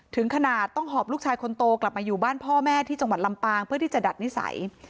ถึงขนาดต้องหอบลูกชายคนโตกลับมาอยู่บ้านพ่อแม่ที่จังหวัดลำปางเพื่อที่จะดัดนิสัย